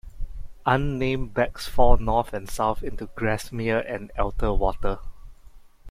Unnamed becks fall north and south into Grasmere and Elter Water.